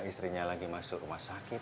istrinya lagi masuk rumah sakit